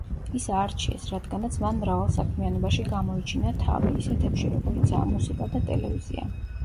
ის აარჩიეს, რადგანაც მან მრავალ საქმიანობაში გამოიჩინა თავი, ისეთებში როგორიცაა მუსიკა და ტელევიზია.